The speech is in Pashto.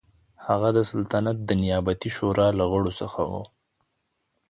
هغه د سلطنت د نیابتي شورا له غړو څخه و.